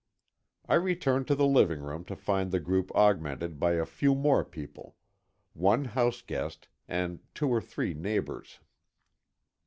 I returned to the living room to find the group augmented by a few more people: one house guest and two or three neighbours.